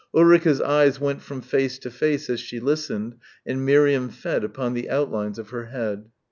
Ulrica's eyes went from face to face as she listened and Miriam fed upon the outlines of her head.